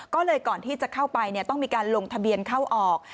ก็เลยก่อนที่จะเข้าไปต้องมีการลงทะเบียนเข้าออก